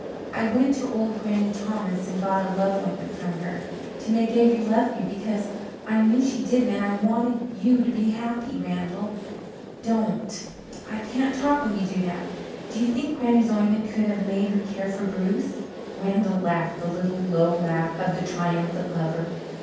I went to old Granny Thomas and got a love ointment from her to make Avery love you, because I knew she didn't and I wanted you to be happy Randall, don't I can't talk when you do that! Do you think Granny's ointment could have made her care for Bruce?" Randall laughed the little, low laugh of the triumphant lover.